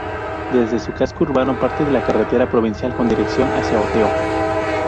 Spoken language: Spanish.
Desde su casco urbano parte la carretera provincial con dirección hacia Oteo.